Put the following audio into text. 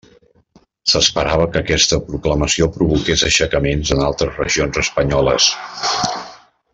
S'esperava que aquesta proclamació provoqués aixecaments en altres regions espanyoles.